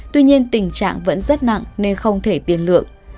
tuy nhiên tình trạng vẫn rất nặng nên không thể tiền lượng